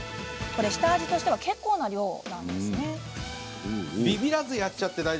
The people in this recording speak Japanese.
下味としては結構な量なんです。